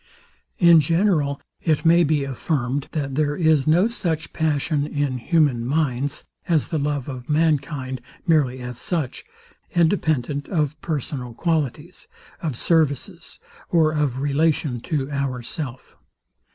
In general, it may be affirmed, that there is no such passion in human minds, as the love of mankind, merely as such, independent of personal qualities, of services, or of relation to ourself.